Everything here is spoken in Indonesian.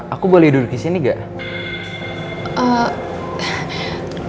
aku boleh duduk disini nggak